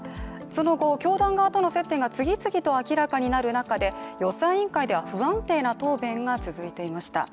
その後、教団側との接点が次々と明らかになる中で、予算委員会では不安定な答弁が続いていました。